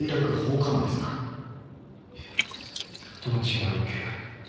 いやそれとも違う気が。